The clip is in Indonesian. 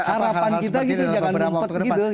harapan kita gitu jangan rumpet gitu